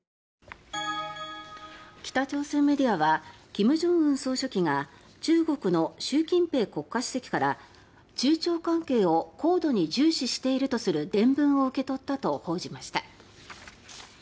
北朝鮮メディアは金正恩総書記が中国の習近平国家主席から中朝関係を高度に重視しているとする電文を受け取ったと報じました。